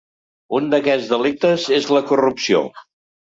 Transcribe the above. Un d’aquests delictes és la corrupció.